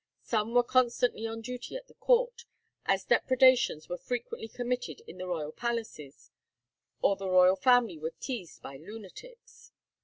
Some were constantly on duty at the Court, as depredations were frequently committed in the royal palaces, or the royal family were "teased by lunatics."